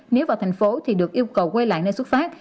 nếu vào thành phố thì được yêu cầu quay lại nơi xuất phát